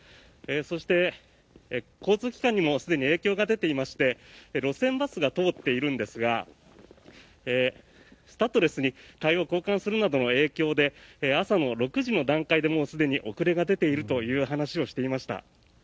そして、交通機関にもすでに影響が出ていまして路線バスが通っているんですがスタッドレスにタイヤを交換するなどの影響で朝の６時の段階でもうすでに遅れが出ているという話をしていました。